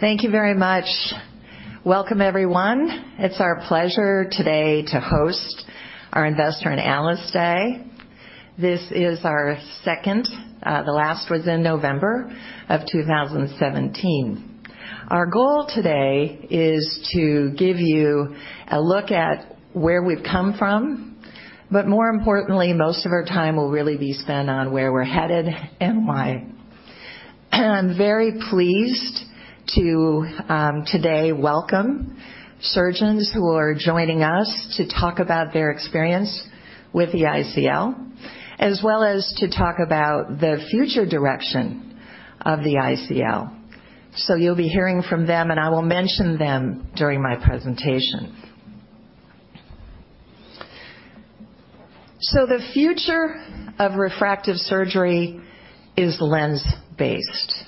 Thank you very much. Welcome, everyone. It's our pleasure today to host our Investor and Analyst Day. This is our second. The last was in November of 2017. Our goal today is to give you a look at where we've come from, but more importantly, most of our time will really be spent on where we're headed and why. I'm very pleased to today welcome surgeons who are joining us to talk about their experience with the ICL, as well as to talk about the future direction of the ICL. You'll be hearing from them, and I will mention them during my presentation. The future of refractive surgery is lens-based.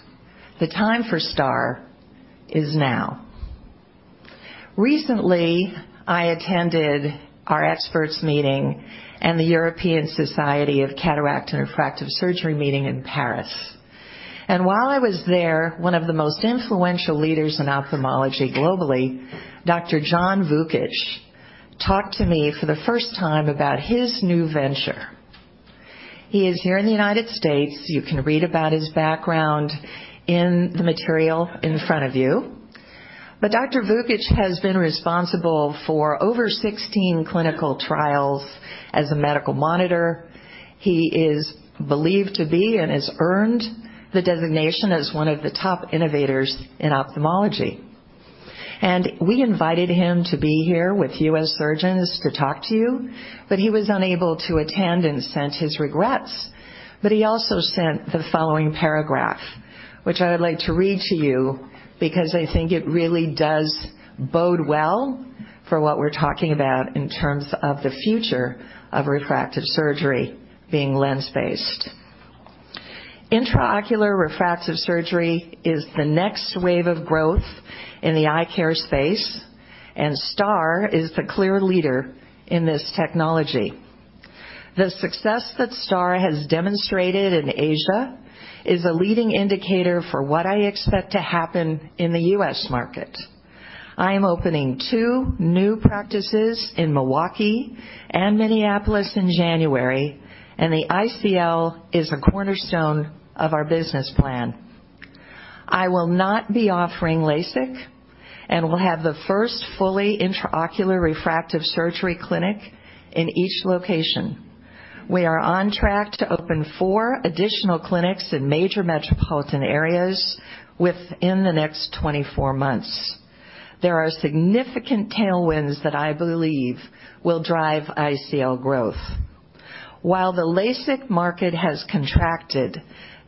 The time for STAAR is now. Recently, I attended our experts meeting and the European Society of Cataract and Refractive Surgeons meeting in Paris. While I was there, one of the most influential leaders in ophthalmology globally, Dr. John Vukich, talked to me for the first time about his new venture. He is here in the United States. You can read about his background in the material in front of you. Dr. Vukich has been responsible for over 16 clinical trials as a medical monitor. He is believed to be, and has earned the designation as one of the top innovators in ophthalmology. We invited him to be here with U.S. surgeons to talk to you, but he was unable to attend and sent his regrets. He also sent the following paragraph, which I would like to read to you because I think it really does bode well for what we're talking about in terms of the future of refractive surgery being lens-based. Intraocular refractive surgery is the next wave of growth in the eye care space, and STAAR is the clear leader in this technology. The success that STAAR has demonstrated in Asia is a leading indicator for what I expect to happen in the U.S. market. I am opening two new practices in Milwaukee and Minneapolis in January, and the ICL is a cornerstone of our business plan. I will not be offering LASIK and will have the first fully intraocular refractive surgery clinic in each location. We are on track to open four additional clinics in major metropolitan areas within the next 24 months. There are significant tailwinds that I believe will drive ICL growth. While the LASIK market has contracted,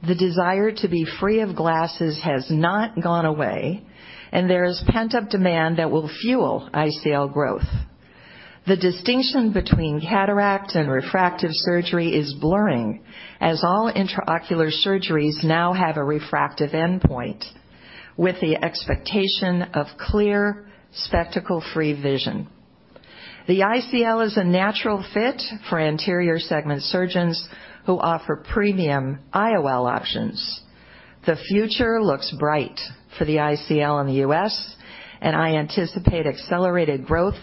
the desire to be free of glasses has not gone away, and there is pent-up demand that will fuel ICL growth. The distinction between cataract and refractive surgery is blurring as all intraocular surgeries now have a refractive endpoint with the expectation of clear spectacle-free vision. The ICL is a natural fit for anterior segment surgeons who offer premium IOL options. The future looks bright for the ICL in the U.S., and I anticipate accelerated growth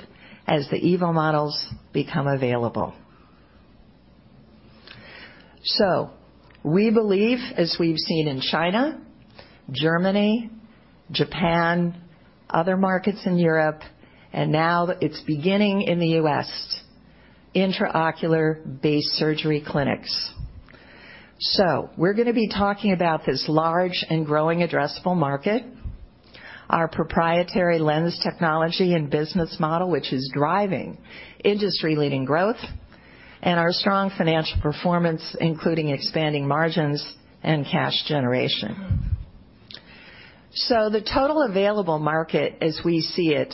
as the EVO models become available. We believe, as we've seen in China, Germany, Japan, other markets in Europe, and now it's beginning in the U.S., intraocular-based surgery clinics. We're going to be talking about this large and growing addressable market, our proprietary lens technology and business model, which is driving industry-leading growth, and our strong financial performance, including expanding margins and cash generation. The total available market as we see it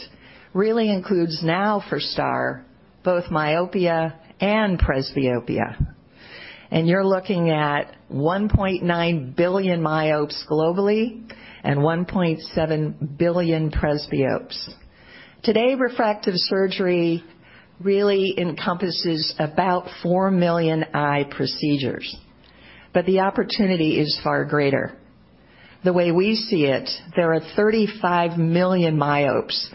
really includes now for STAAR both myopia and presbyopia. You're looking at 1.9 billion myopes globally and 1.7 billion presbyopes. Today, refractive surgery really encompasses about 4 million eye procedures, the opportunity is far greater. The way we see it, there are 35 million myopes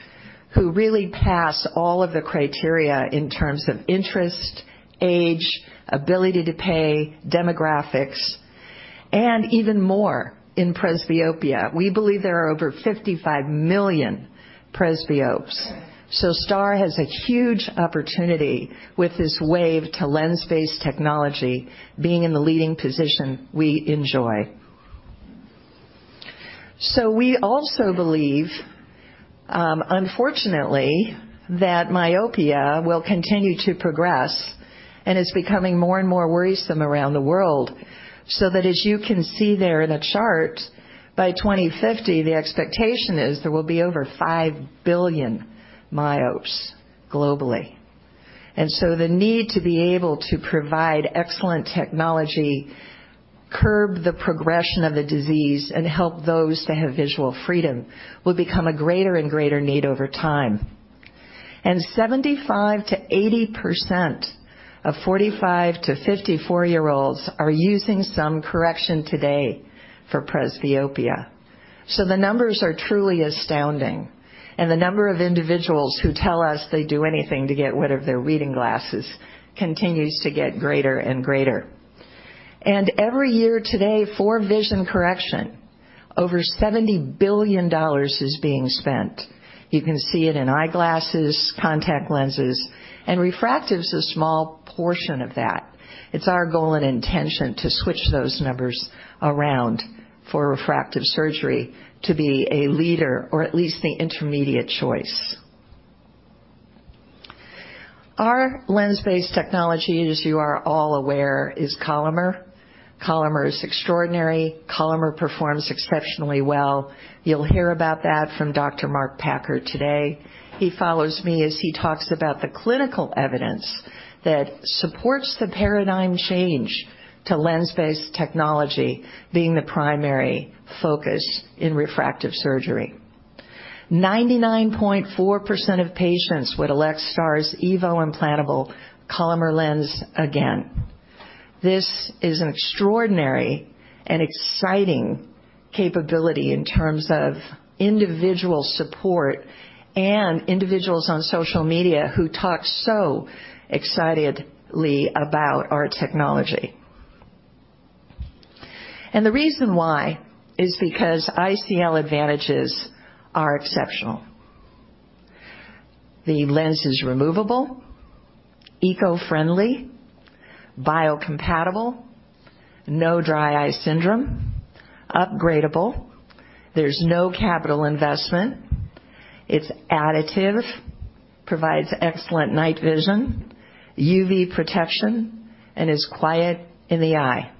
who really pass all of the criteria in terms of interest, age, ability to pay, demographics, and even more in presbyopia. We believe there are over 55 million presbyopes. STAAR has a huge opportunity with this wave to lens-based technology being in the leading position we enjoy. We also believe, unfortunately, that myopia will continue to progress and is becoming more and more worrisome around the world, so that as you can see there in the chart, by 2050, the expectation is there will be over 5 billion myopes globally. The need to be able to provide excellent technology, curb the progression of the disease, and help those to have visual freedom will become a greater and greater need over time. 75%-80% of 45 to 54-year-olds are using some correction today for presbyopia. The numbers are truly astounding, and the number of individuals who tell us they'd do anything to get rid of their reading glasses continues to get greater and greater. Every year today, for vision correction, over $70 billion is being spent. You can see it in eyeglasses, contact lenses, and refractive's a small portion of that. It's our goal and intention to switch those numbers around for refractive surgery to be a leader or at least the intermediate choice. Our lens-based technology, as you are all aware, is Collamer. Collamer is extraordinary. Collamer performs exceptionally well. You'll hear about that from Dr. Mark Packer today. He follows me as he talks about the clinical evidence that supports the paradigm change to lens-based technology being the primary focus in refractive surgery. 99.4% of patients would elect STAAR's EVO implantable Collamer lens again. This is an extraordinary and exciting capability in terms of individual support and individuals on social media who talk so excitedly about our technology. The reason why is because ICL advantages are exceptional. The lens is removable, eco-friendly, biocompatible, no dry eye syndrome, upgradeable. There's no capital investment. It's additive, provides excellent night vision, UV protection, and is quiet in the eye.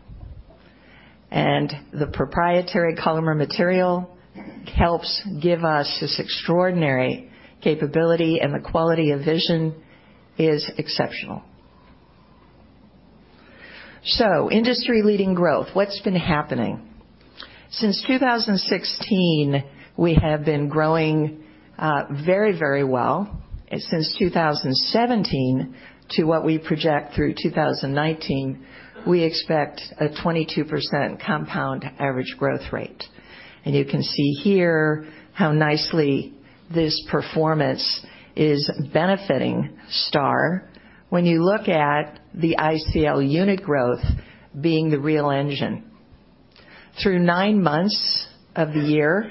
The proprietary Collamer material helps give us this extraordinary capability, and the quality of vision is exceptional. Industry-leading growth, what's been happening? Since 2016, we have been growing very well. Since 2017 to what we project through 2019, we expect a 22% compound average growth rate. You can see here how nicely this performance is benefiting STAAR when you look at the ICL unit growth being the real engine. Through nine months of the year,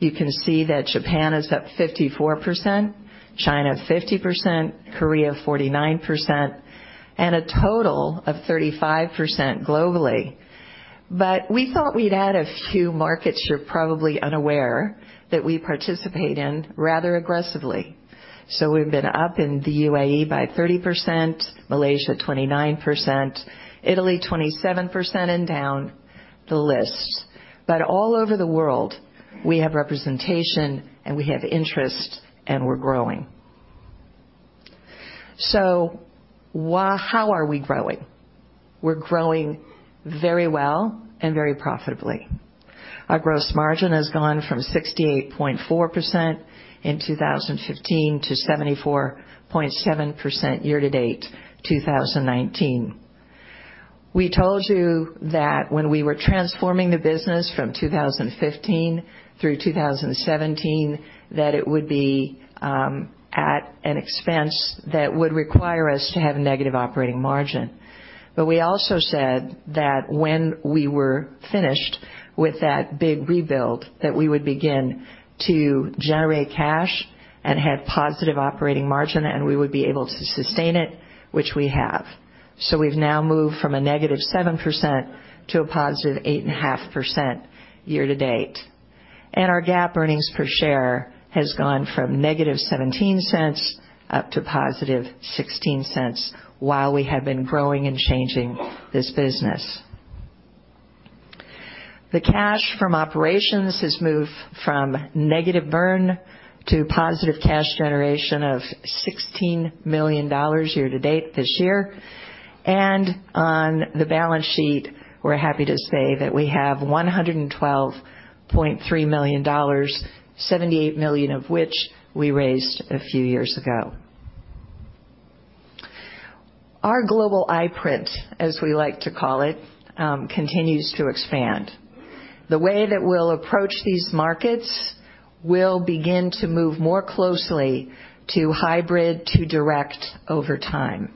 you can see that Japan is up 54%, China 50%, Korea 49%, and a total of 35% globally. We thought we'd add a few markets you're probably unaware that we participate in rather aggressively. We've been up in the UAE by 30%, Malaysia 29%, Italy 27%, and down the list. All over the world, we have representation and we have interest, and we're growing. How are we growing? We're growing very well and very profitably. Our gross margin has gone from 68.4% in 2015 to 74.7% year-to-date 2019. We told you that when we were transforming the business from 2015 through 2017, that it would be at an expense that would require us to have a negative operating margin. We also said that when we were finished with that big rebuild, that we would begin to generate cash and have positive operating margin, and we would be able to sustain it, which we have. We've now moved from a negative 7% to a positive 8.5% year-to-date. Our GAAP earnings per share has gone from negative $0.17 up to positive $0.16 while we have been growing and changing this business. The cash from operations has moved from negative burn to positive cash generation of $16 million year-to-date this year. On the balance sheet, we're happy to say that we have $112.3 million, $78 million of which we raised a few years ago. Our global eye print, as we like to call it, continues to expand. The way that we'll approach these markets will begin to move more closely to hybrid to direct over time.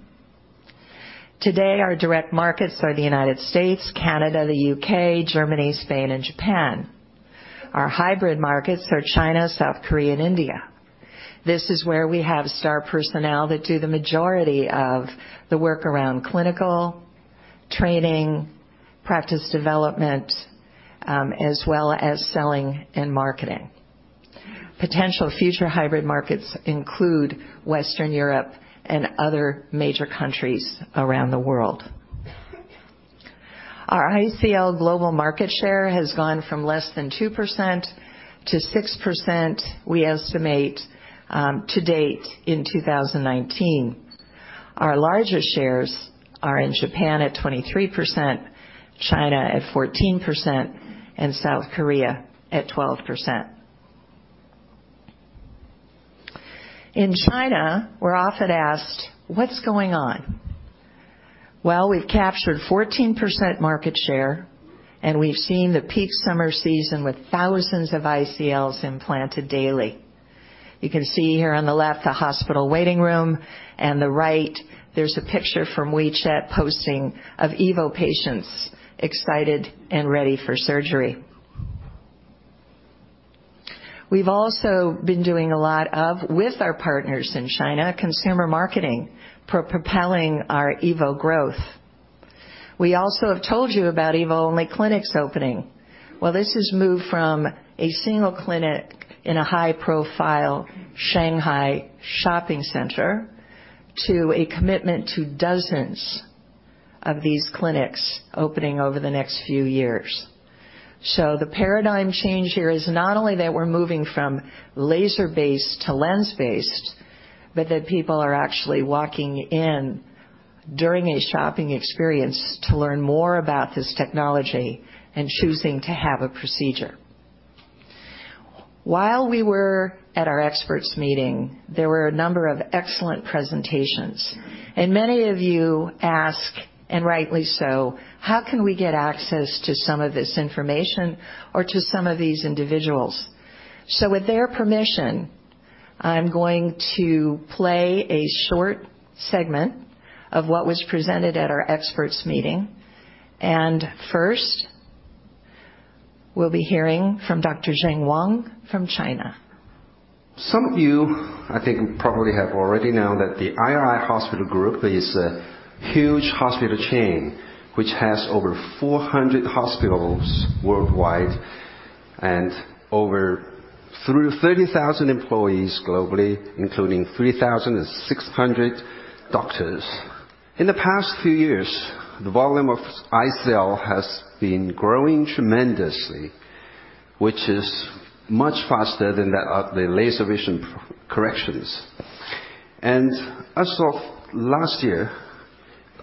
Today, our direct markets are the U.S., Canada, the U.K., Germany, Spain, and Japan. Our hybrid markets are China, South Korea, and India. This is where we have STAAR personnel that do the majority of the work around clinical, training, practice development, as well as selling and marketing. Potential future hybrid markets include Western Europe and other major countries around the world. Our ICL global market share has gone from less than 2% to 6%, we estimate to date in 2019. Our largest shares are in Japan at 23%, China at 14%, and South Korea at 12%. In China, we're often asked, "What's going on?" We've captured 14% market share, and we've seen the peak summer season with thousands of ICLs implanted daily. You can see here on the left, the hospital waiting room, and the right, there's a picture from WeChat posting of EVO patients, excited and ready for surgery. We've also been doing a lot of, with our partners in China, consumer marketing propelling our EVO growth. We also have told you about EVO-only clinics opening. This has moved from a single clinic in a high-profile Shanghai shopping center to a commitment to dozens of these clinics opening over the next few years. The paradigm change here is not only that we're moving from laser-based to lens-based, but that people are actually walking in during a shopping experience to learn more about this technology and choosing to have a procedure. While we were at our experts meeting, there were a number of excellent presentations. Many of you asked, and rightly so, "How can we get access to some of this information or to some of these individuals?" With their permission, I'm going to play a short segment of what was presented at our experts meeting. First, we'll be hearing from Dr. Zheng Wang from China. Some of you, I think, probably have already known that the Aier Eye Hospital Group is a huge hospital chain, which has over 400 hospitals worldwide, and over 30,000 employees globally, including 3,600 doctors. In the past few years, the volume of ICL has been growing tremendously, which is much faster than that of the laser vision corrections. As of last year,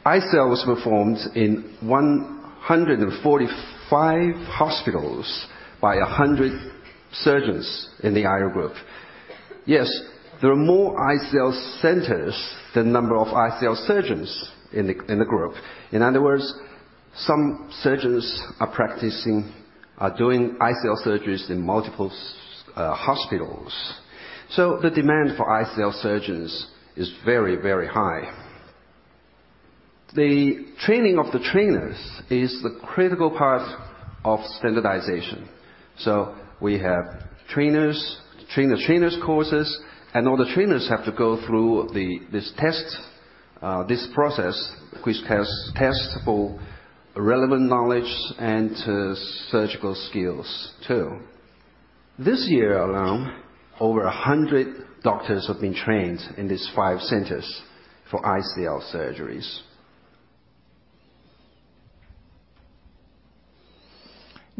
ICLs were performed in 145 hospitals by 100 surgeons in the Aier Eye Hospital Group. Yes, there are more ICL centers than number of ICL surgeons in the group. In other words, some surgeons are doing ICL surgeries in multiple hospitals. The demand for ICL surgeons is very high. The training of the trainers is the critical part of standardization. We have train-the-trainers courses, and all the trainers have to go through this test, this process, which tests for relevant knowledge and surgical skills, too. This year alone, over 100 doctors have been trained in these five centers for ICL surgeries.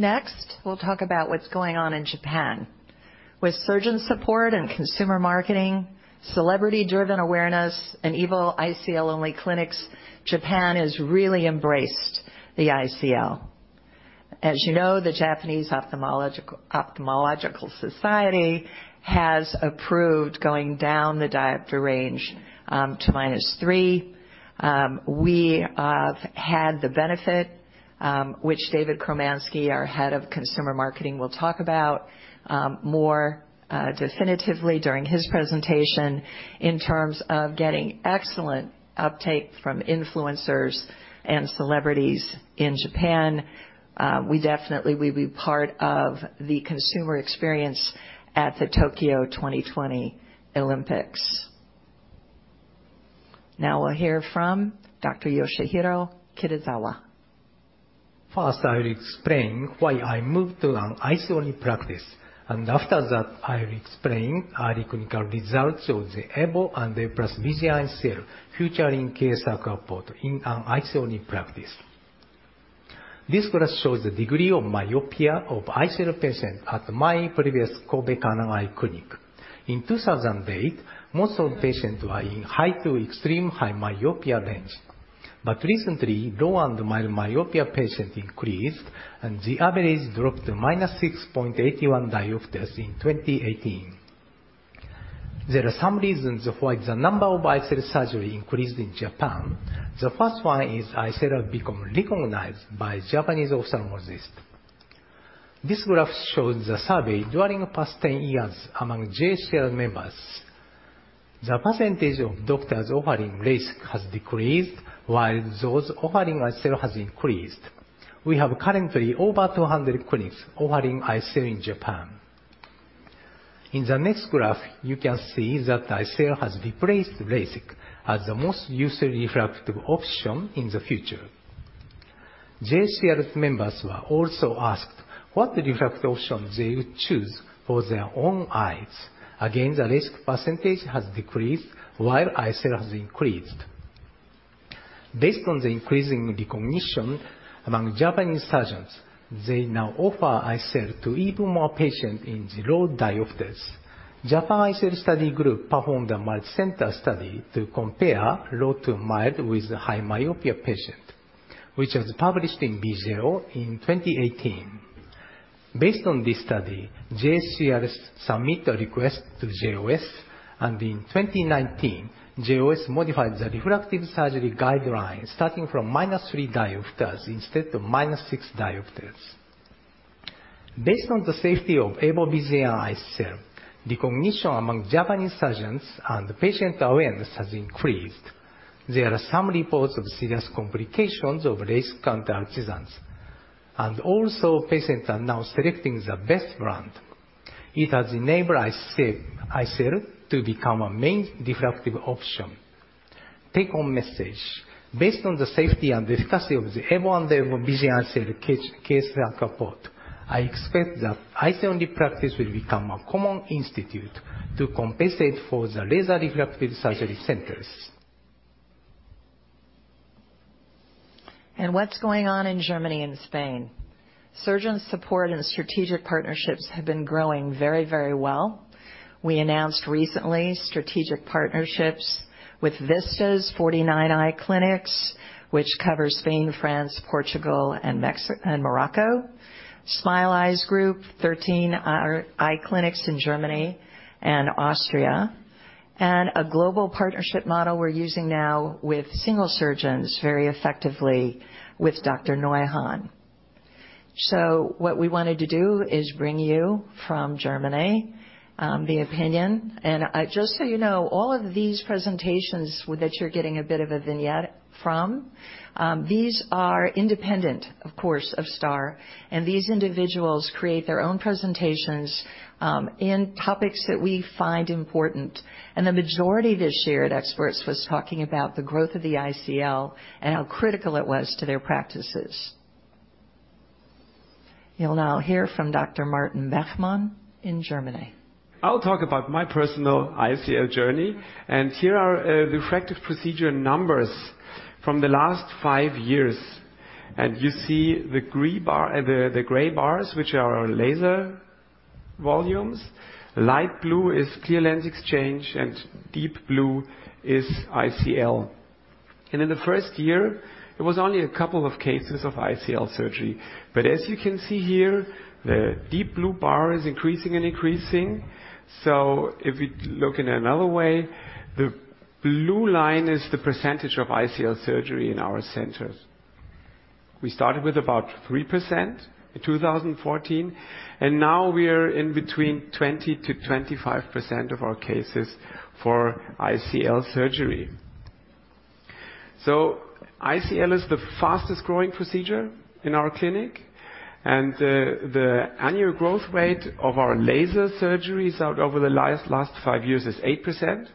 Next, we'll talk about what's going on in Japan. With surgeon support and consumer marketing, celebrity-driven awareness, and EVO ICL-only clinics, Japan has really embraced the ICL. As you know, the Japanese Ophthalmological Society has approved going down the diopter range to minus three. We have had the benefit, which David Choromanski, our Head of Consumer Marketing, will talk about more definitively during his presentation, in terms of getting excellent uptake from influencers and celebrities in Japan. We definitely will be part of the consumer experience at the Tokyo 2020 Olympics. Now we'll hear from Dr. Yoshihiro Kitazawa. First, I will explain why I moved to an ICL practice. After that, I will explain our clinical results of the EVO and the EVO+ Visian ICL, featuring case report in an ICL practice. This graph shows the degree of myopia of ICL patients at my previous Kobe Kanagawa Eye Clinic. In 2008, most of the patients were in high to extreme high myopia range. Recently, low and mild myopia patients increased, and the average dropped to -6.81 diopters in 2018. There are some reasons why the number of ICL surgery increased in Japan. The first one is ICL have become recognized by Japanese ophthalmologists. This graph shows the survey during the past 10 years among JSCRS members. The percentage of doctors offering LASIK has decreased while those offering ICL has increased. We have currently over 200 clinics offering ICL in Japan. In the next graph, you can see that ICL has replaced LASIK as the most useful refractive option in the future. JSCRS members were also asked what refractive option they would choose for their own eyes. Again, the LASIK percentage has decreased while ICL has increased. Based on the increasing recognition among Japanese surgeons, they now offer ICL to even more patients in 0 diopters. Japan ICL Study Group performed a multicenter study to compare low to mild with high myopia patient, which was published in BJO in 2018. Based on this study, JSCRS submit a request to JOS, and in 2019, JOS modified the refractive surgery guidelines starting from -3.00 diopters instead of -6.00 diopters. Based on the safety of EVO Visian ICL, recognition among Japanese surgeons and patient awareness has increased. There are some reports of serious complications of laser What's going on in Germany and Spain? Surgeon support and strategic partnerships have been growing very well. We announced recently strategic partnerships with Vista 49 eye clinics, which covers Spain, France, Portugal, and Morocco, Smile Eyes Group, 13 eye clinics in Germany and Austria, and a global partnership model we're using now with single surgeons very effectively with Dr. Neuhann. What we wanted to do is bring you from Germany, the opinion. Just so you know, all of these presentations that you're getting a bit of a vignette from, these are independent, of course, of STAAR, and these individuals create their own presentations in topics that we find important. The majority this year at Experts was talking about the growth of the ICL and how critical it was to their practices. You'll now hear from Dr. Martin Bechmann in Germany. I'll talk about my personal ICL journey. Here are refractive procedure numbers from the last 5 years. You see the gray bars, which are our laser volumes, light blue is clear lens exchange, and deep blue is ICL. In the first year, it was only a couple of cases of ICL surgery. As you can see here, the deep blue bar is increasing and increasing. If we look in another way, the blue line is the percentage of ICL surgery in our centers. We started with about 3% in 2014, and now we are in between 20%-25% of our cases for ICL surgery. ICL is the fastest-growing procedure in our clinic, and the annual growth rate of our laser surgeries out over the last 5 years is 8%,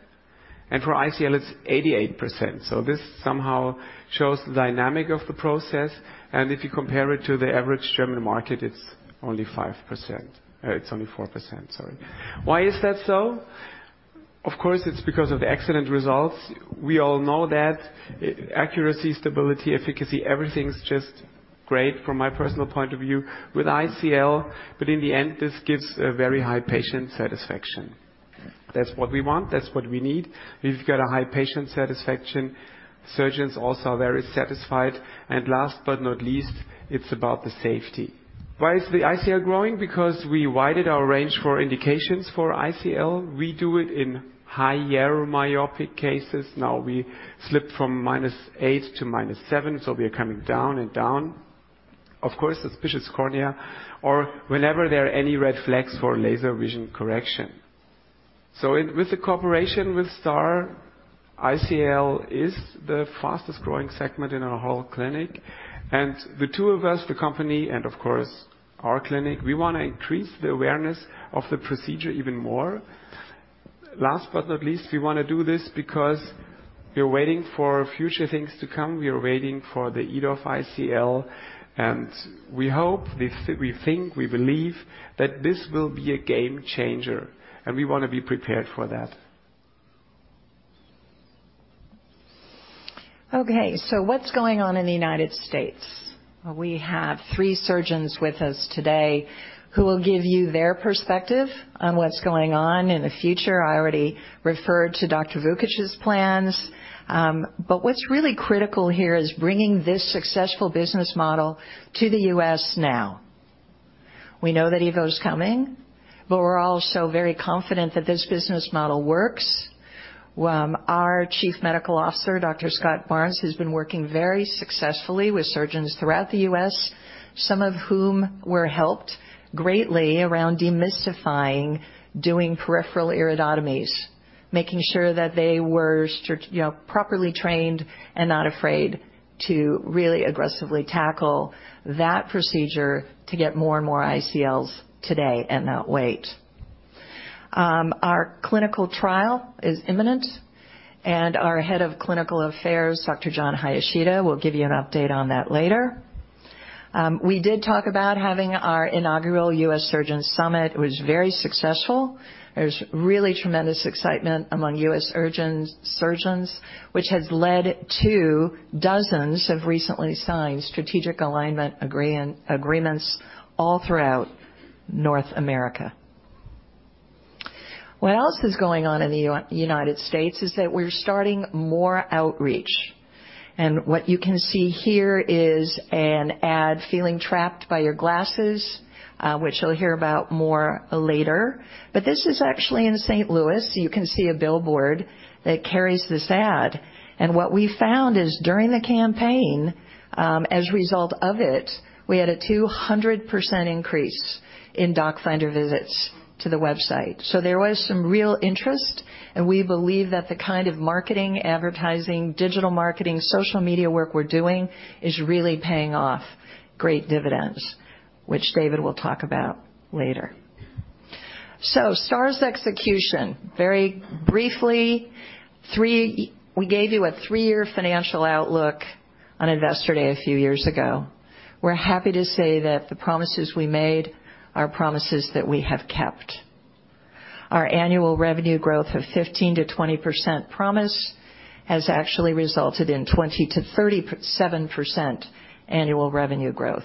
and for ICL, it's 88%. This somehow shows the dynamic of the process, and if you compare it to the average German market, it's only 4%. Why is that so? Of course, it's because of the excellent results. We all know that accuracy, stability, efficacy, everything's just great from my personal point of view with ICL. In the end, this gives a very high patient satisfaction. That's what we want, that's what we need. We've got a high patient satisfaction. Surgeons also are very satisfied. Last but not least, it's about the safety. Why is the ICL growing? Because we widened our range for indications for ICL. We do it in higher myopic cases. Now we slipped from -8 to -7, so we are coming down and down. Of course, suspicious cornea or whenever there are any red flags for laser vision correction. With the cooperation with STAAR, ICL is the fastest-growing segment in our whole clinic. The two of us, the company and of course our clinic, we want to increase the awareness of the procedure even more. Last but not least, we want to do this because we are waiting for future things to come. We are waiting for the EDOF ICL, and we hope, we think, we believe that this will be a game changer, and we want to be prepared for that. What's going on in the U.S.? We have three surgeons with us today who will give you their perspective on what's going on in the future. I already referred to Dr. Vukich's plans. What's really critical here is bringing this successful business model to the U.S. now. We know that EVO's coming, but we're also very confident that this business model works. Our Chief Medical Officer, Dr. Scott Barnes, who's been working very successfully with surgeons throughout the U.S., some of whom were helped greatly around demystifying doing peripheral iridotomies, making sure that they were properly trained and not afraid to really aggressively tackle that procedure to get more and more ICLs today and not wait. Our clinical trial is imminent. Our Head of Clinical Affairs, Dr. Jon Hayashida, will give you an update on that later. We did talk about having our inaugural U.S. Surgeon Summit. It was very successful. There's really tremendous excitement among U.S. surgeons, which has led to dozens of recently signed strategic alignment agreements all throughout North America. What else is going on in the United States is that we're starting more outreach. What you can see here is an ad, "Feeling trapped by your glasses?" You'll hear about more later. This is actually in St. Louis. You can see a billboard that carries this ad. What we found is during the campaign, as a result of it, we had a 200% increase in Doc Finder visits to the website. There was some real interest, and we believe that the kind of marketing, advertising, digital marketing, social media work we're doing is really paying off great dividends, which David will talk about later. STAAR's execution. Very briefly, we gave you a three-year financial outlook on Investor Day a few years ago. We're happy to say that the promises we made are promises that we have kept. Our annual revenue growth of 15%-20% promise has actually resulted in 20%-37% annual revenue growth.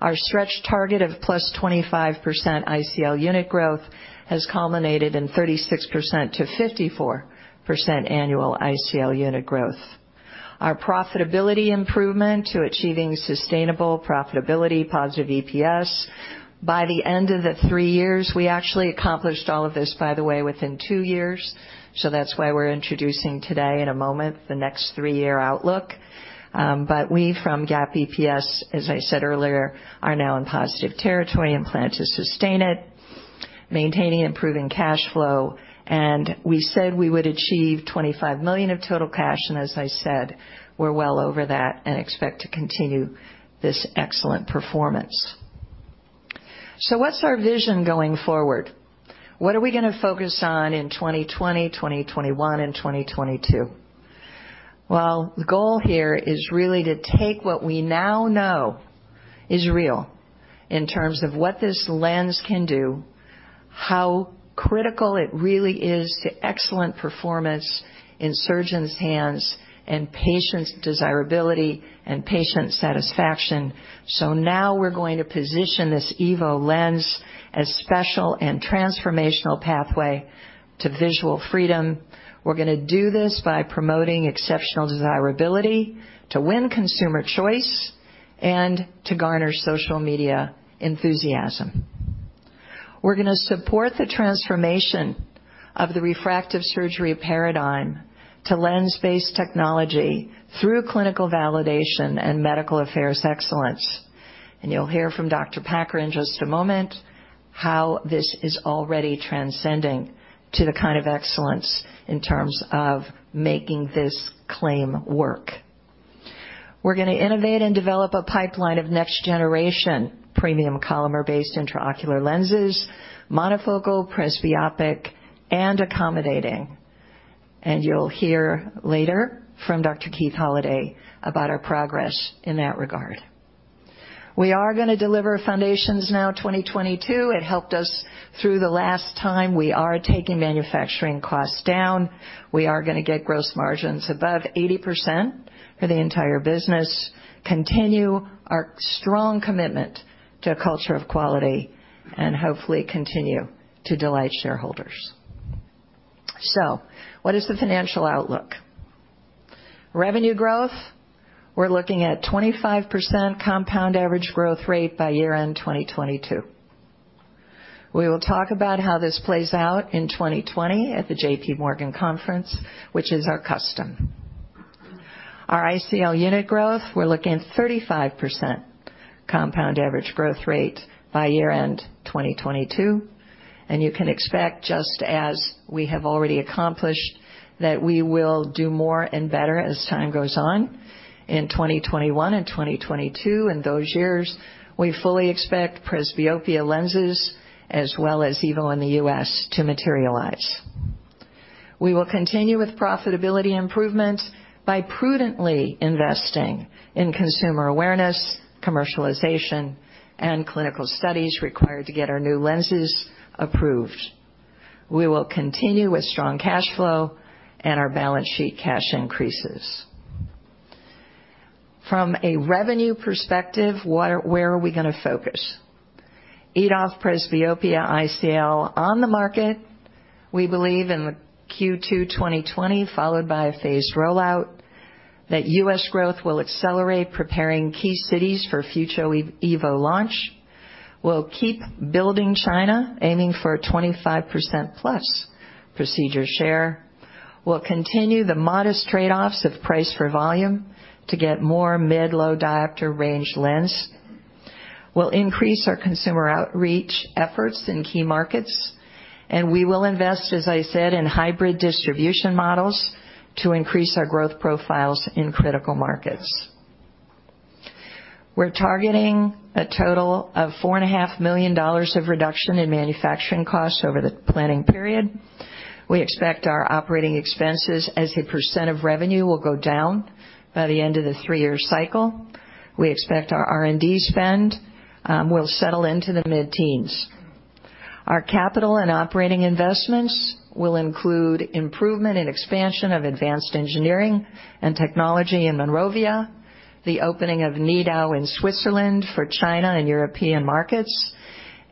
Our stretch target of +25% ICL unit growth has culminated in 36%-54% annual ICL unit growth. Our profitability improvement to achieving sustainable profitability, positive EPS. By the end of the three years, we actually accomplished all of this, by the way, within two years, that's why we're introducing today in a moment the next three-year outlook. We from GAAP EPS, as I said earlier, are now in positive territory and plan to sustain it, maintaining improving cash flow. We said we would achieve $25 million of total cash, and as I said, we're well over that and expect to continue this excellent performance. What's our vision going forward? What are we going to focus on in 2020, 2021, and 2022? Well, the goal here is really to take what we now know is real in terms of what this lens can do, how critical it really is to excellent performance in surgeons' hands and patients' desirability and patient satisfaction. Now we're going to position this EVO lens as special and transformational pathway to visual freedom. We're going to do this by promoting exceptional desirability to win consumer choice and to garner social media enthusiasm. We're going to support the transformation of the refractive surgery paradigm to lens-based technology through clinical validation and medical affairs excellence. You'll hear from Dr. Mark Packer in just a moment how this is already transcending to the kind of excellence in terms of making this claim work. We're going to innovate and develop a pipeline of next-generation premium polymer-based intraocular lenses, monofocal, presbyopic, and accommodating. You'll hear later from Dr. Keith Holliday about our progress in that regard. We are going to deliver Foundations Now 2022. It helped us through the last time. We are taking manufacturing costs down. We are going to get gross margins above 80% for the entire business, continue our strong commitment to a culture of quality, and hopefully continue to delight shareholders. What is the financial outlook? Revenue growth, we're looking at 25% compound average growth rate by year-end 2022. We will talk about how this plays out in 2020 at the JP Morgan conference, which is our custom. Our ICL unit growth, we're looking at 35% compound average growth rate by year-end 2022. You can expect, just as we have already accomplished, that we will do more and better as time goes on. In 2021 and 2022, in those years, we fully expect presbyopia lenses as well as EVO in the U.S. to materialize. We will continue with profitability improvement by prudently investing in consumer awareness, commercialization, and clinical studies required to get our new lenses approved. We will continue with strong cash flow and our balance sheet cash increases. From a revenue perspective, where are we going to focus? EDOF presbyopia ICL on the market, we believe in the Q2 2020, followed by a phased rollout, that U.S. growth will accelerate, preparing key cities for future EVO launch. We'll keep building China, aiming for a 25%-plus procedure share. We'll continue the modest trade-offs of price for volume to get more mid-low diopter range lens. We'll increase our consumer outreach efforts in key markets, we will invest, as I said, in hybrid distribution models to increase our growth profiles in critical markets. We're targeting a total of $4.5 million of reduction in manufacturing costs over the planning period. We expect our operating expenses as a % of revenue will go down by the end of the three-year cycle. We expect our R&D spend will settle into the mid-teens. Our capital and operating investments will include improvement in expansion of advanced engineering and technology in Monrovia, the opening of Nidau in Switzerland for China and European markets,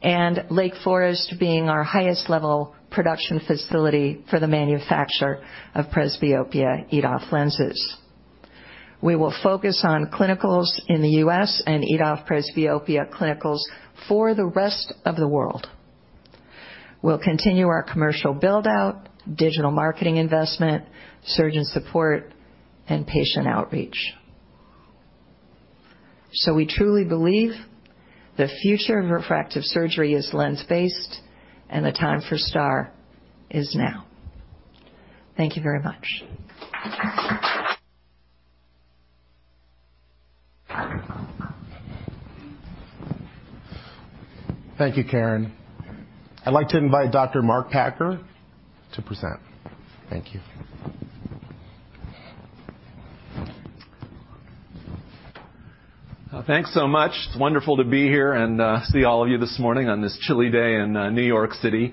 and Lake Forest being our highest-level production facility for the manufacture of presbyopia EDOF lenses. We will focus on clinicals in the U.S. and EDOF presbyopia clinicals for the rest of the world. We'll continue our commercial build-out, digital marketing investment, surgeon support, and patient outreach. We truly believe the future of refractive surgery is lens-based, and the time for STAAR is now. Thank you very much. Thank you, Caren. I'd like to invite Dr. Mark Packer to present. Thank you. Thanks so much. It's wonderful to be here and see all of you this morning on this chilly day in New York City.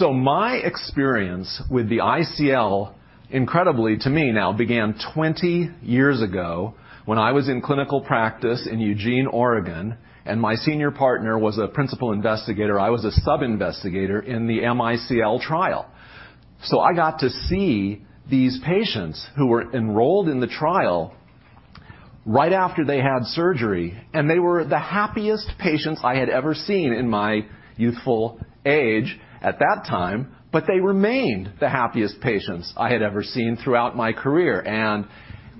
My experience with the ICL, incredibly to me now, began 20 years ago when I was in clinical practice in Eugene, Oregon, and my senior partner was a principal investigator, I was a sub-investigator, in the MICL trial. I got to see these patients who were enrolled in the trial right after they had surgery, and they were the happiest patients I had ever seen in my youthful age at that time, but they remained the happiest patients I had ever seen throughout my career.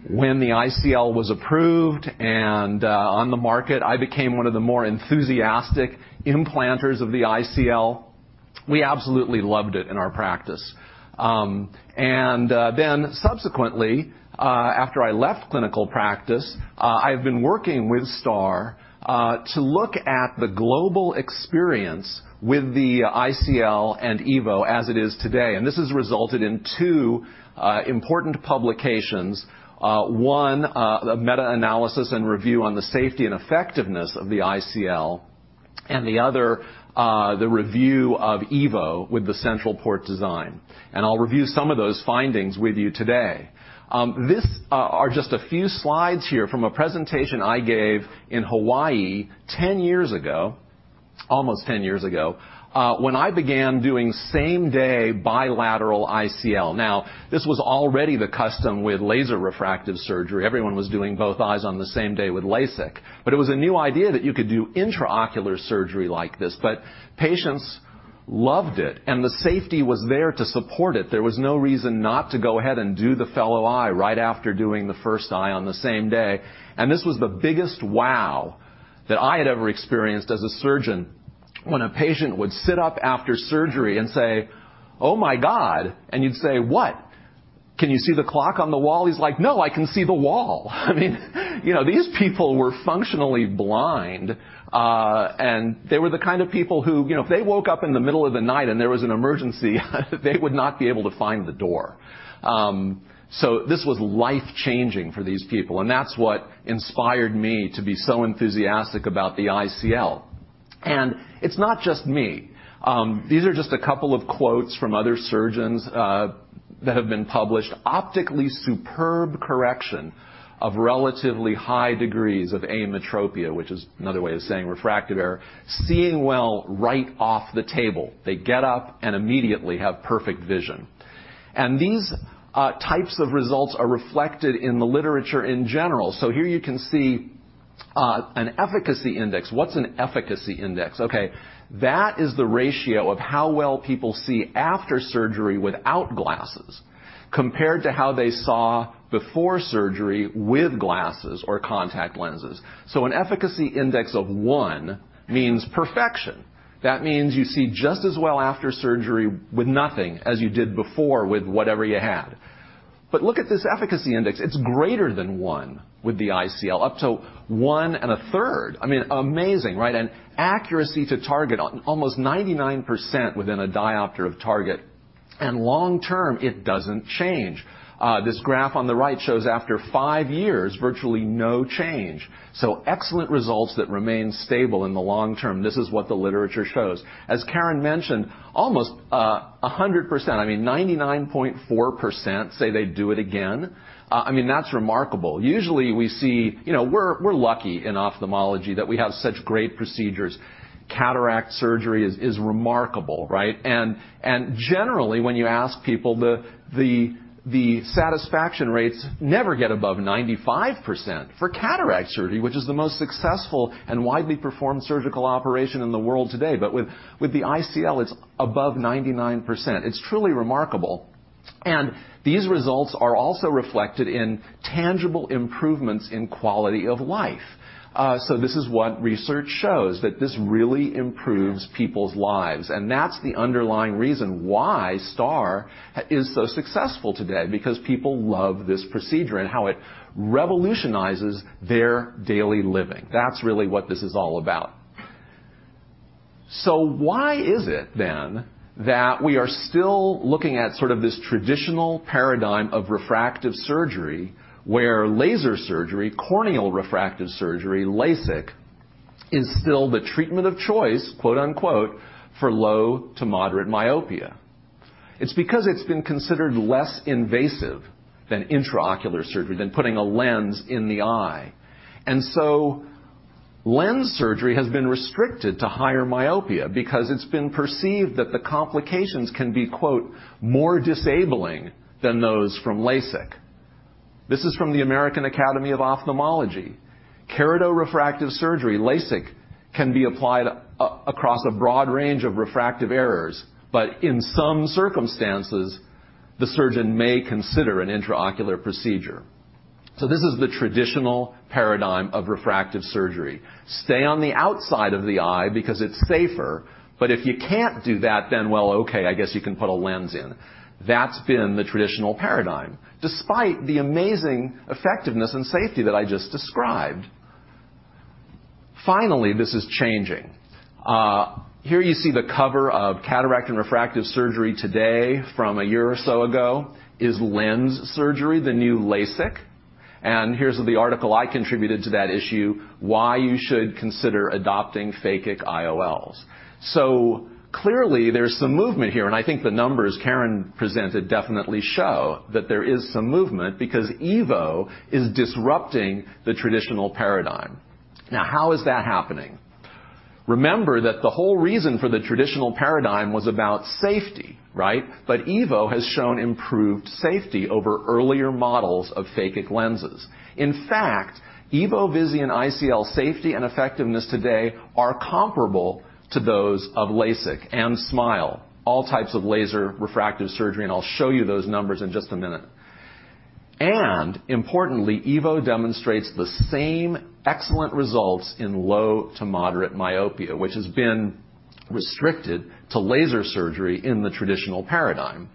When the ICL was approved and on the market, I became one of the more enthusiastic implanters of the ICL. We absolutely loved it in our practice. Subsequently, after I left clinical practice, I've been working with STAAR to look at the global experience with the ICL and EVO as it is today, this has resulted in two important publications. One, a meta-analysis and review on the safety and effectiveness of the ICL. The other, the review of EVO with the central port design. I'll review some of those findings with you today. These are just a few slides here from a presentation I gave in Hawaii almost 10 years ago, when I began doing same-day bilateral ICL. This was already the custom with laser refractive surgery. Everyone was doing both eyes on the same day with LASIK. It was a new idea that you could do intraocular surgery like this, patients loved it, the safety was there to support it. There was no reason not to go ahead and do the fellow eye right after doing the first eye on the same day. This was the biggest wow that I had ever experienced as a surgeon, when a patient would sit up after surgery and say, "Oh, my God." And you'd say, "What? Can you see the clock on the wall?" He's like, "No, I can see the wall." These people were functionally blind. They were the kind of people who if they woke up in the middle of the night and there was an emergency, they would not be able to find the door. This was life-changing for these people, and that's what inspired me to be so enthusiastic about the ICL. It's not just me. These are just a couple of quotes from other surgeons that have been published. Optically superb correction of relatively high degrees of ametropia, which is another way of saying refractive error, seeing well right off the table. They get up and immediately have perfect vision. These types of results are reflected in the literature in general. Here you can see an efficacy index. What's an efficacy index? That is the ratio of how well people see after surgery without glasses compared to how they saw before surgery with glasses or contact lenses. An efficacy index of one means perfection. That means you see just as well after surgery with nothing as you did before with whatever you had. Look at this efficacy index. It's greater than one with the ICL, up to one and a third. Amazing, right. Accuracy to target on almost 99% within a diopter of target. Long term, it doesn't change. This graph on the right shows after five years, virtually no change. Excellent results that remain stable in the long term. This is what the literature shows. As Caren mentioned, almost 100%, 99.4% say they'd do it again. That's remarkable. Usually, we're lucky in ophthalmology that we have such great procedures. Cataract surgery is remarkable, right? Generally, when you ask people, the satisfaction rates never get above 95% for cataract surgery, which is the most successful and widely performed surgical operation in the world today. With the ICL, it's above 99%. It's truly remarkable. These results are also reflected in tangible improvements in quality of life. This is what research shows, that this really improves people's lives, and that's the underlying reason why STAAR is so successful today, because people love this procedure and how it revolutionizes their daily living. That's really what this is all about. Why is it then that we are still looking at this traditional paradigm of refractive surgery where laser surgery, corneal refractive surgery, LASIK, is still the treatment of choice, quote unquote, for low to moderate myopia? It's because it's been considered less invasive than intraocular surgery, than putting a lens in the eye. Lens surgery has been restricted to higher myopia because it's been perceived that the complications can be, quote, "more disabling than those from LASIK." This is from the American Academy of Ophthalmology. Keratorefractive surgery, LASIK, can be applied across a broad range of refractive errors, but in some circumstances, the surgeon may consider an intraocular procedure. This is the traditional paradigm of refractive surgery. Stay on the outside of the eye because it's safer, but if you can't do that, then, well, okay, I guess you can put a lens in. That's been the traditional paradigm, despite the amazing effectiveness and safety that I just described. Finally, this is changing. Here you see the cover of Cataract & Refractive Surgery Today from a year or so ago. Is lens surgery the new LASIK? Here's the article I contributed to that issue, Why You Should Consider Adopting Phakic IOLs. Clearly, there's some movement here, and I think the numbers Caren presented definitely show that there is some movement because EVO is disrupting the traditional paradigm. How is that happening? Remember that the whole reason for the traditional paradigm was about safety. EVO has shown improved safety over earlier models of phakic lenses. In fact, EVO Visian ICL safety and effectiveness today are comparable to those of LASIK and SMILE, all types of laser refractive surgery, I'll show you those numbers in just a minute. Importantly, EVO demonstrates the same excellent results in low to moderate myopia, which has been restricted to laser surgery in the traditional paradigm.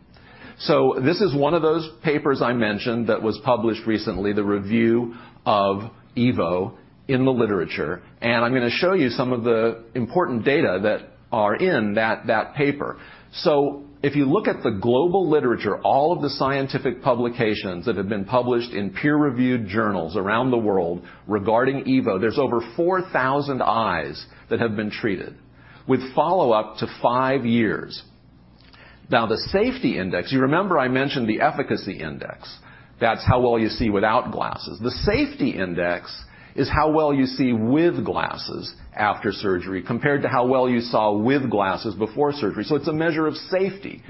This is one of those papers I mentioned that was published recently, the review of EVO in the literature, I'm going to show you some of the important data that are in that paper. If you look at the global literature, all of the scientific publications that have been published in peer-reviewed journals around the world regarding EVO, there's over 4,000 eyes that have been treated with follow-up to five years. The safety index, you remember I mentioned the efficacy index. That's how well you see without glasses. The safety index is how well you see with glasses after surgery compared to how well you saw with glasses before surgery. It's a measure of safety.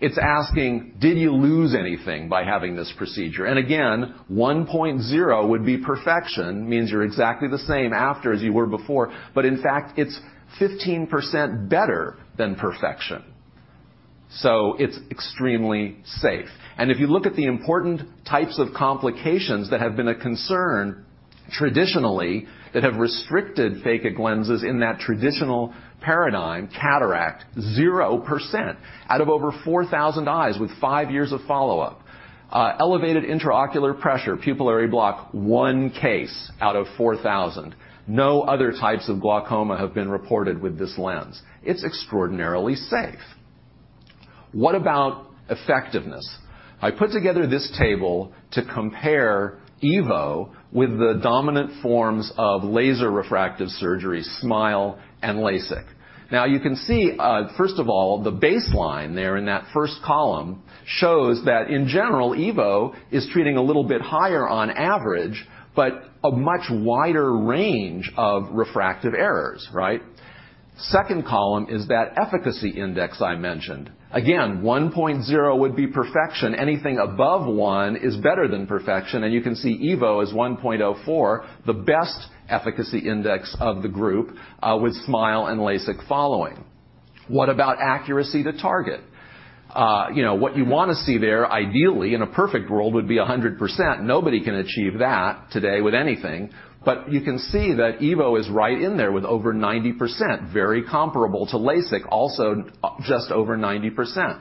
It's asking, did you lose anything by having this procedure? Again, 1.0 would be perfection, means you're exactly the same after as you were before. In fact, it's 15% better than perfection, so it's extremely safe. If you look at the important types of complications that have been a concern traditionally that have restricted phakic IOLs in that traditional paradigm, cataract, 0% out of over 4,000 eyes with five years of follow-up. Elevated intraocular pressure, pupillary block, one case out of 4,000. No other types of glaucoma have been reported with this lens. It's extraordinarily safe. What about effectiveness? I put together this table to compare EVO with the dominant forms of laser refractive surgery, SMILE and LASIK. You can see, first of all, the baseline there in that first column shows that in general, EVO is treating a little bit higher on average, but a much wider range of refractive errors. Second column is that efficacy index I mentioned. 1.0 would be perfection. Anything above one is better than perfection, and you can see EVO is 1.04, the best efficacy index of the group, with SMILE and LASIK following. What about accuracy to target? What you want to see there, ideally in a perfect world, would be 100%. Nobody can achieve that today with anything. You can see that EVO is right in there with over 90%, very comparable to LASIK, also just over 90%.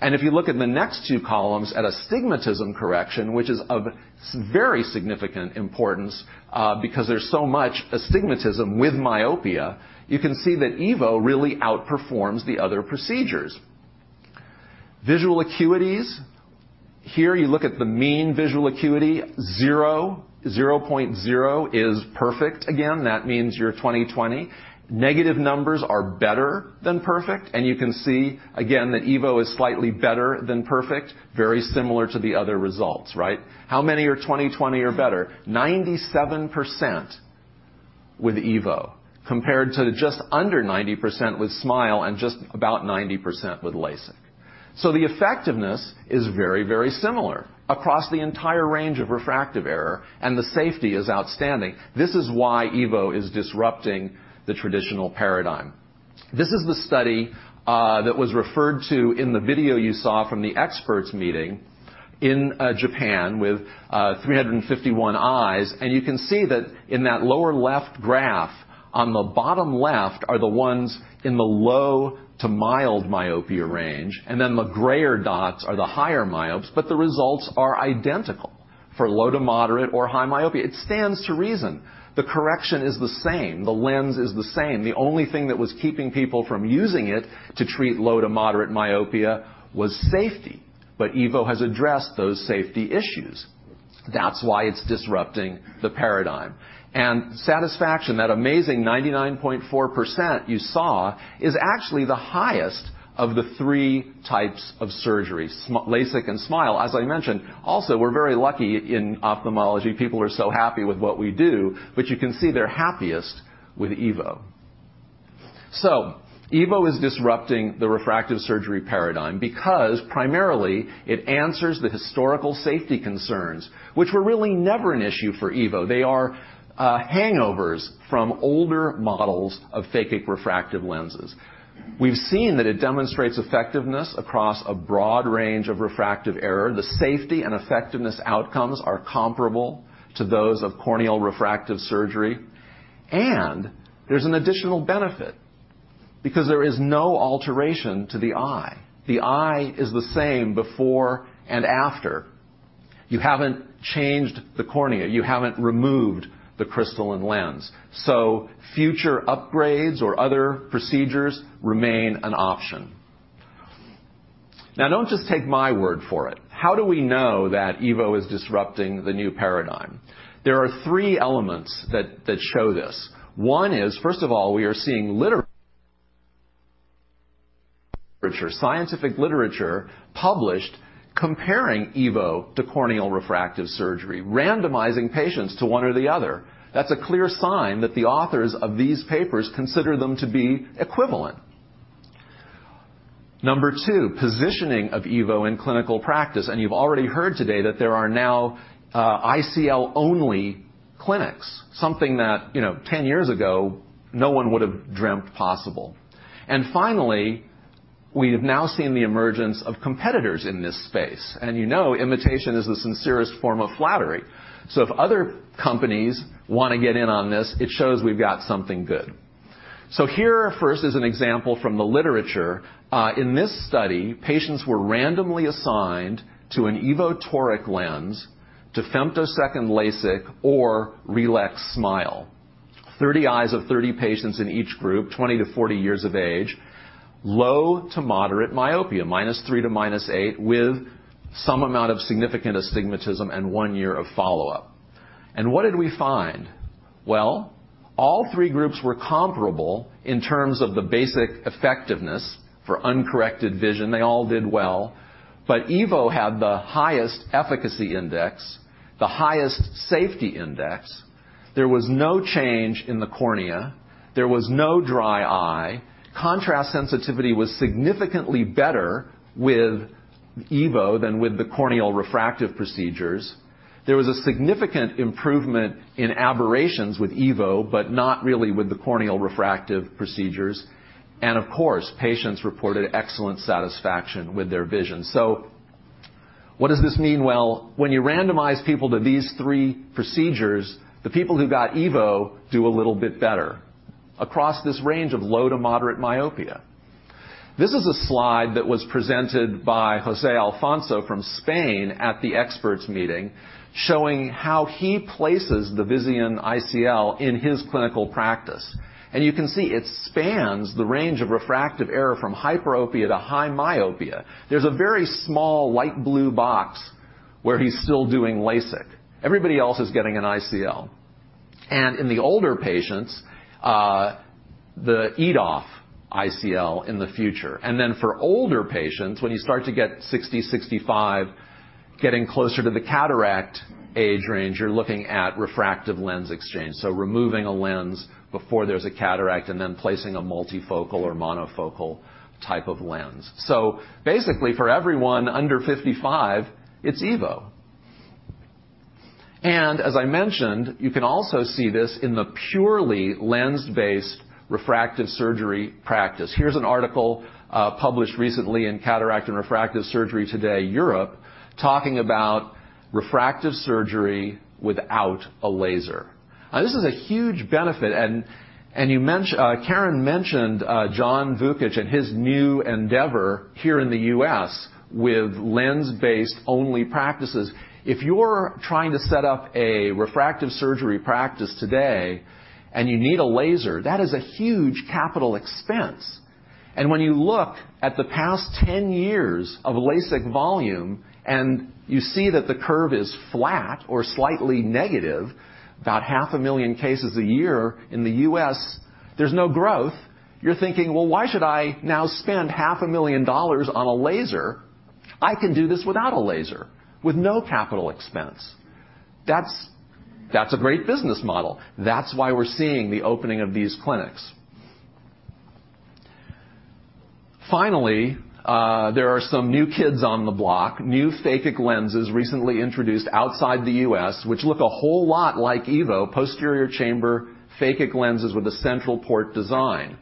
If you look in the next two columns at astigmatism correction, which is of very significant importance because there's so much astigmatism with myopia, you can see that EVO really outperforms the other procedures. Visual acuities. Here, you look at the mean visual acuity, 0.0 is perfect. That means you're 20/20. Negative numbers are better than perfect, and you can see, again, that EVO is slightly better than perfect. Very similar to the other results. How many are 20/20 or better? 97% with EVO, compared to just under 90% with SMILE and just about 90% with LASIK. The effectiveness is very similar across the entire range of refractive error, and the safety is outstanding. This is why EVO is disrupting the traditional paradigm. This is the study that was referred to in the video you saw from the experts meeting in Japan with 351 eyes, and you can see that in that lower left graph, on the bottom left are the ones in the low to mild myopia range, and then the grayer dots are the higher myopes, but the results are identical. For low to moderate or high myopia. It stands to reason. The correction is the same. The lens is the same. The only thing that was keeping people from using it to treat low to moderate myopia was safety. EVO has addressed those safety issues. That's why it's disrupting the paradigm. Satisfaction, that amazing 99.4% you saw is actually the highest of the 3 types of surgeries, LASIK and SMILE. As I mentioned, also, we're very lucky in ophthalmology, people are so happy with what we do. You can see they're happiest with EVO. EVO is disrupting the refractive surgery paradigm because primarily it answers the historical safety concerns, which were really never an issue for EVO. They are hangovers from older models of phakic refractive lenses. We've seen that it demonstrates effectiveness across a broad range of refractive error. The safety and effectiveness outcomes are comparable to those of corneal refractive surgery, and there's an additional benefit because there is no alteration to the eye. The eye is the same before and after. You haven't changed the cornea. You haven't removed the crystalline lens. Future upgrades or other procedures remain an option. Don't just take my word for it. How do we know that EVO is disrupting the new paradigm? There are three elements that show this. One is, first of all, we are seeing literature, scientific literature published comparing EVO to corneal refractive surgery, randomizing patients to one or the other. That's a clear sign that the authors of these papers consider them to be equivalent. Number two, positioning of EVO in clinical practice, you've already heard today that there are now ICL-only clinics, something that 10 years ago, no one would've dreamt possible. Finally, we've now seen the emergence of competitors in this space. You know imitation is the sincerest form of flattery. If other companies want to get in on this, it shows we've got something good. Here first is an example from the literature. In this study, patients were randomly assigned to an EVO Toric lens to femtosecond LASIK or ReLEx SMILE. 30 eyes of 30 patients in each group, 20 to 40 years of age, low to moderate myopia, -3 to -8, with some amount of significant astigmatism and one year of follow-up. What did we find? Well, all three groups were comparable in terms of the basic effectiveness for uncorrected vision. They all did well. EVO had the highest efficacy index, the highest safety index. There was no change in the cornea. There was no dry eye. Contrast sensitivity was significantly better with EVO than with the corneal refractive procedures. There was a significant improvement in aberrations with EVO, but not really with the corneal refractive procedures. Of course, patients reported excellent satisfaction with their vision. What does this mean? Well, when you randomize people to these three procedures, the people who got EVO do a little bit better across this range of low to moderate myopia. This is a slide that was presented by José Alfonso from Spain at the experts meeting, showing how he places the Visian ICL in his clinical practice. You can see it spans the range of refractive error from hyperopia to high myopia. There's a very small light blue box where he's still doing LASIK. Everybody else is getting an ICL. In the older patients, the EDOF ICL in the future. For older patients, when you start to get 60, 65, getting closer to the cataract age range, you're looking at refractive lens exchange. Removing a lens before there's a cataract, and then placing a multifocal or monofocal type of lens. Basically, for everyone under 55, it's EVO. As I mentioned, you can also see this in the purely lens-based refractive surgery practice. Here's an article, published recently in Cataract & Refractive Surgery Today Europe, talking about refractive surgery without a laser. This is a huge benefit, and Caren mentioned John Vukich and his new endeavor here in the U.S. with lens-based only practices. If you're trying to set up a refractive surgery practice today and you need a laser, that is a huge capital expense. When you look at the past 10 years of LASIK volume, and you see that the curve is flat or slightly negative, about half a million cases a year in the U.S., there's no growth. You're thinking, "Well, why should I now spend half a million dollars on a laser? I can do this without a laser with no capital expense." That's a great business model. That's why we're seeing the opening of these clinics. Finally, there are some new kids on the block, new phakic lenses recently introduced outside the U.S., which look a whole lot like EVO, posterior chamber phakic lenses with a central port design.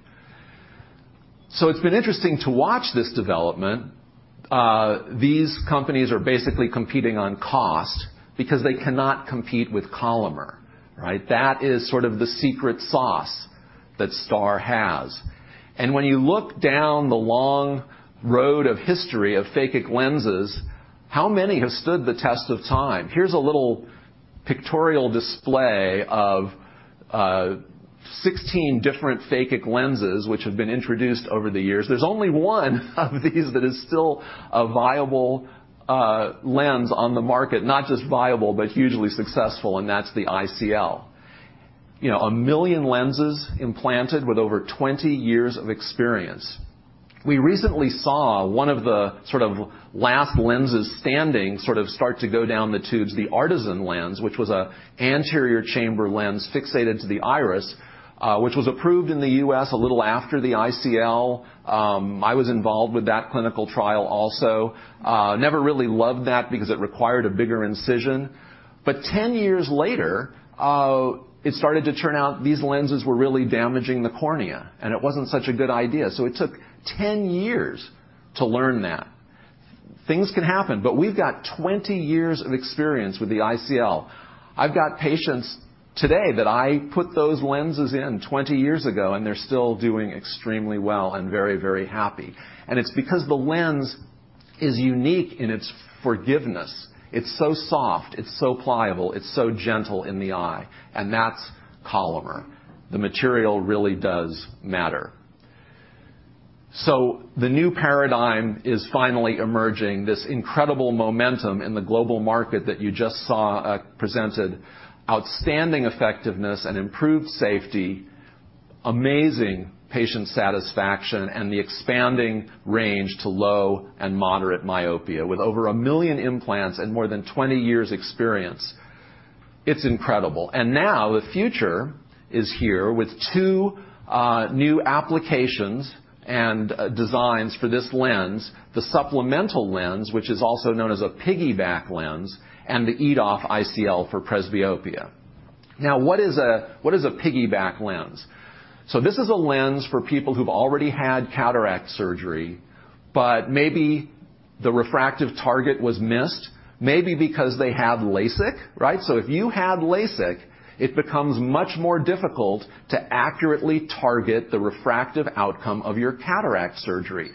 It's been interesting to watch this development. These companies are basically competing on cost because they cannot compete with Collamer, right? That is sort of the secret sauce that STAAR has. When you look down the long road of history of phakic lenses, how many have stood the test of time? Here's a little pictorial display of 16 different phakic lenses, which have been introduced over the years. There's only one of these that is still a viable lens on the market. Not just viable, but hugely successful, and that's the ICL. A million lenses implanted with over 20 years of experience. We recently saw one of the last lenses standing start to go down the tubes, the ARTISAN lens, which was an anterior chamber lens fixated to the iris, which was approved in the U.S. a little after the ICL. I was involved with that clinical trial also. Never really loved that because it required a bigger incision. 10 years later, it started to turn out these lenses were really damaging the cornea, and it wasn't such a good idea. It took 10 years to learn that. Things can happen, but we've got 20 years of experience with the ICL. I've got patients today that I put those lenses in 20 years ago, and they're still doing extremely well and very happy. It's because the lens is unique in its forgiveness. It's so soft. It's so pliable. It's so gentle in the eye, and that's Collamer. The material really does matter. The new paradigm is finally emerging, this incredible momentum in the global market that you just saw presented. Outstanding effectiveness and improved safety, amazing patient satisfaction, and the expanding range to low and moderate myopia. With over 1 million implants and more than 20 years experience, it's incredible. Now the future is here with two new applications and designs for this lens, the supplemental lens, which is also known as a piggyback lens, and the EDOF ICL for presbyopia. What is a piggyback lens? This is a lens for people who've already had cataract surgery, but maybe the refractive target was missed, maybe because they had LASIK. If you had LASIK, it becomes much more difficult to accurately target the refractive outcome of your cataract surgery.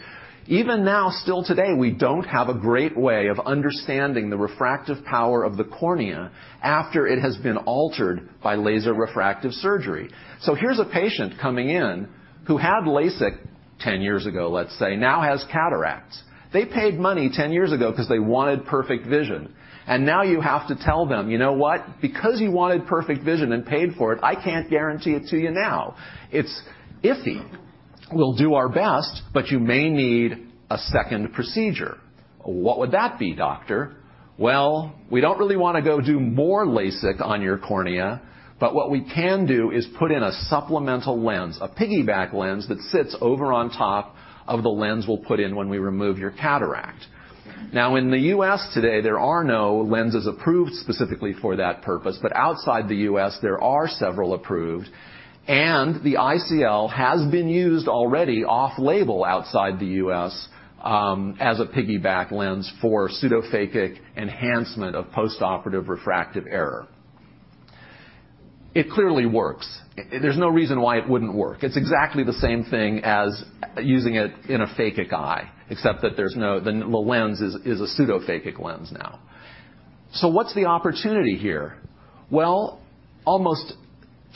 Even now, still today, we don't have a great way of understanding the refractive power of the cornea after it has been altered by laser refractive surgery. Here's a patient coming in who had LASIK 10 years ago, let's say, now has cataracts. They paid money 10 years ago because they wanted perfect vision, and now you have to tell them, "You know what? Because you wanted perfect vision and paid for it, I can't guarantee it to you now. It's iffy. We'll do our best, but you may need a second procedure." "What would that be, doctor?" "Well, we don't really want to go do more LASIK on your cornea, but what we can do is put in a supplemental lens, a piggyback lens that sits over on top of the lens we'll put in when we remove your cataract." In the U.S. today, there are no lenses approved specifically for that purpose, but outside the U.S., there are several approved, and the ICL has been used already off-label outside the U.S. as a piggyback lens for pseudophakic enhancement of postoperative refractive error. It clearly works. There's no reason why it wouldn't work. It's exactly the same thing as using it in a phakic eye, except that the lens is a pseudophakic lens now. What's the opportunity here? Well, almost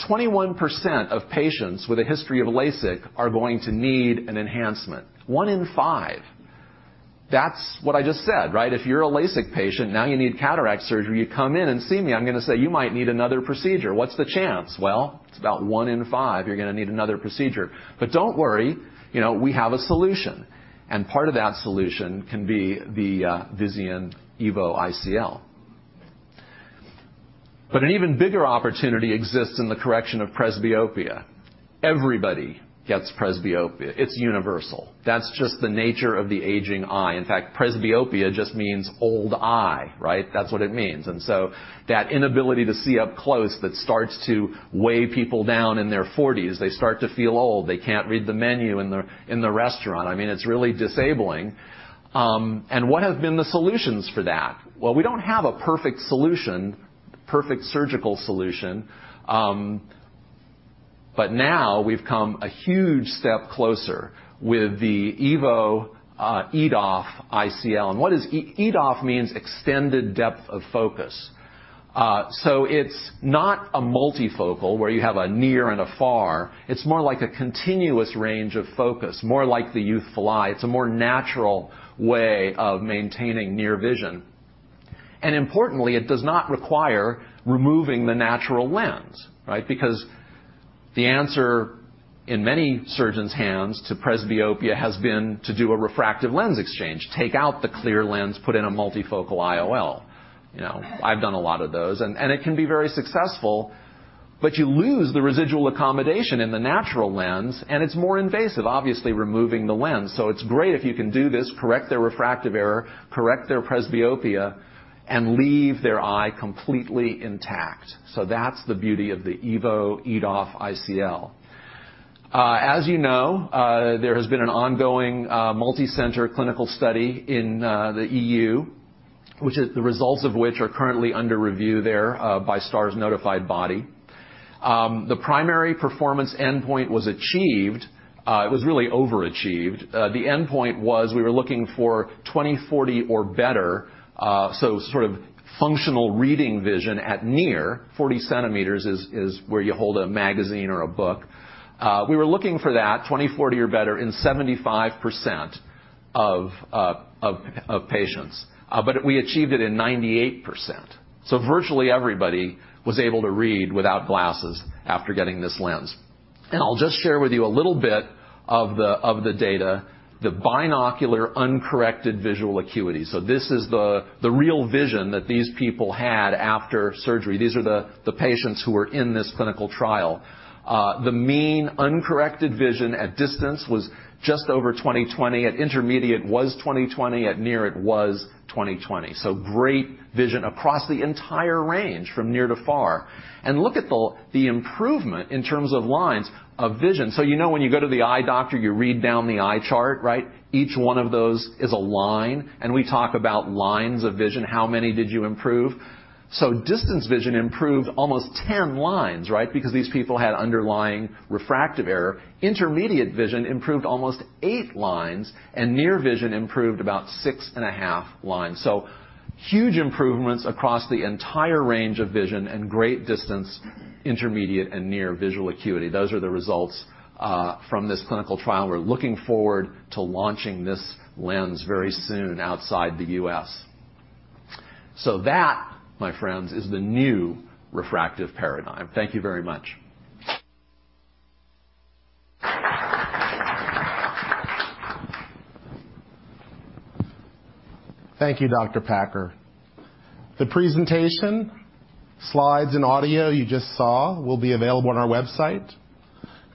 21% of patients with a history of LASIK are going to need an enhancement. One in five. That's what I just said. If you're a LASIK patient, now you need cataract surgery. You come in and see me, I'm going to say, "You might need another procedure." What's the chance? Well, it's about one in five you're going to need another procedure. Don't worry, we have a solution, and part of that solution can be the EVO Visian ICL. An even bigger opportunity exists in the correction of presbyopia. Everybody gets presbyopia. It's universal. That's just the nature of the aging eye. In fact, presbyopia just means old eye. That's what it means. That inability to see up close that starts to weigh people down in their 40s. They start to feel old. They can't read the menu in the restaurant. It's really disabling. What have been the solutions for that? Well, we don't have a perfect surgical solution. Now we've come a huge step closer with the EVO EDOF ICL. EDOF means extended depth of focus. It's not a multifocal where you have a near and a far. It's more like a continuous range of focus, more like the youthful eye. It's a more natural way of maintaining near vision. Importantly, it does not require removing the natural lens. Because the answer in many surgeons' hands to presbyopia has been to do a refractive lens exchange, take out the clear lens, put in a multifocal IOL. I've done a lot of those, and it can be very successful, but you lose the residual accommodation in the natural lens, and it's more invasive, obviously, removing the lens. It's great if you can do this, correct their refractive error, correct their presbyopia, and leave their eye completely intact. That's the beauty of the EVO EDOF ICL. As you know, there has been an ongoing multi-center clinical study in the EU, which the results of which are currently under review there by STAAR's notified body. The primary performance endpoint was achieved. It was really overachieved. The endpoint was we were looking for 20/40 or better, so sort of functional reading vision at near 40 centimeters is where you hold a magazine or a book. We were looking for that 20/40 or better in 75% of patients, but we achieved it in 98%. Virtually everybody was able to read without glasses after getting this lens. I'll just share with you a little bit of the data, the binocular uncorrected visual acuity. This is the real vision that these people had after surgery. These are the patients who were in this clinical trial. The mean uncorrected vision at distance was just over 20/20. At intermediate was 20/20. At near it was 20/20. Great vision across the entire range from near to far. Look at the improvement in terms of lines of vision. You know when you go to the eye doctor, you read down the eye chart, right? Each one of those is a line, and we talk about lines of vision. How many did you improve? Distance vision improved almost 10 lines, right? Because these people had underlying refractive error. Intermediate vision improved almost eight lines, and near vision improved about six and a half lines. Huge improvements across the entire range of vision and great distance, intermediate, and near visual acuity. Those are the results from this clinical trial. We're looking forward to launching this lens very soon outside the U.S. That, my friends, is the new refractive paradigm. Thank you very much. Thank you, Dr. Packer. The presentation slides and audio you just saw will be available on our website.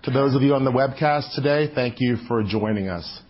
To those of you on the webcast today, thank you for joining us.